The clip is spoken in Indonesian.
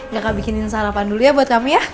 kakak bikinin sarapan dulu ya buat kamu ya